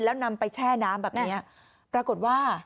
แล้วนำไปแช่น้ำแบบนี้ปรากฏว่า